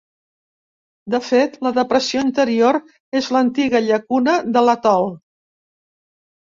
De fet, la depressió interior és l'antiga llacuna de l'atol.